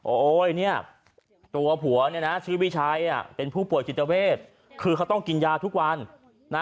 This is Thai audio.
โอ๊ยเนี่ยตัวผัวเนี่ยนะชื่อวิชัยเป็นผู้ป่วยจิตเวทคือเขาต้องกินยาทุกวันนะ